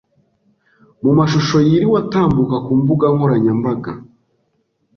Mu mashusho yiriwe atambuka ku mbugankoranyambaga